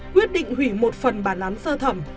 quyết định hủy một phần bản án sơ thẩm